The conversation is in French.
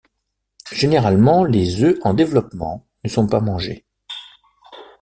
Généralement les œufs en développement ne sont pas mangés.